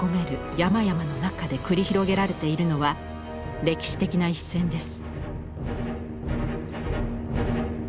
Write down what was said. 山々の中で繰り広げられているのは歴史的な一戦です。